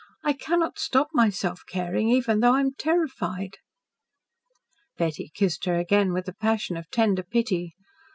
I cannot stop myself caring, even though I am terrified." Betty kissed her again with a passion of tender pity.